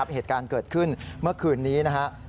เหตุการณ์เกิดขึ้นเมื่อคืนนี้นะครับ